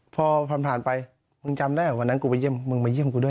เป็นแค่คือวันแรกที่ฟื้น